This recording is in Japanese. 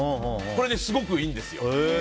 これ、すごくいいんですよ。